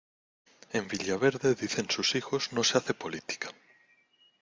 En villaverde dicen sus hijos no se hace política.